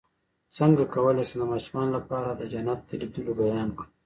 څنګه کولی شم د ماشومانو لپاره د جنت د لیدلو بیان کړم